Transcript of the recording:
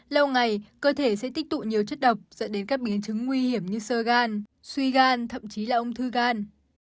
lâu ngày cơ thể sẽ tích tụ nhiều chất độc dẫn đến các biến chứng nguy hiểm như sơ gan suy gan thậm chí là ung thư gan